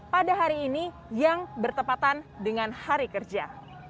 pada hari ini yang bertepatan dengan hari kerja